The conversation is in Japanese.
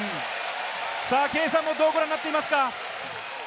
圭さん、どうご覧になっていますか？